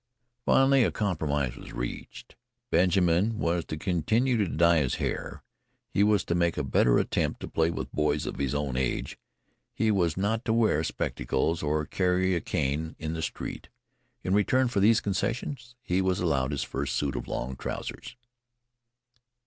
Finally a compromise was reached. Benjamin was to continue to dye his hair. He was to make a better attempt to play with boys of his own age. He was not to wear his spectacles or carry a cane in the street. In return for these concessions he was allowed his first suit of long trousers....